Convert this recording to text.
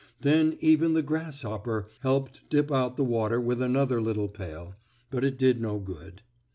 Then even the grasshopper helped dip out the water with another little pail, but it did no good.